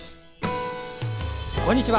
こんにちは。